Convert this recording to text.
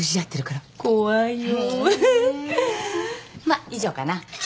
まっ以上かな。